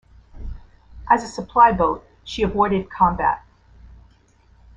As a supply boat, she avoided combat.